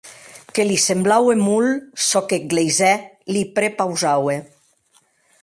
Que li semblaue molt, çò qu’eth gleisèr li prepausaue.